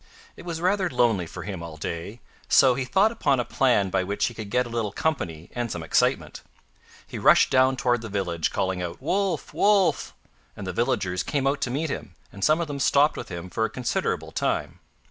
It was rather lonely for him all day, so he thought upon a plan by which he could get a little company and some excitement. He rushed down toward the village calling out "Wolf, Wolf," and the villagers came out to meet him, and some of them stopped with him for a considerable time.